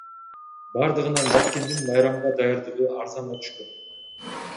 Бардыгынан Баткендин майрамга даярдыгы арзанга түшкөн.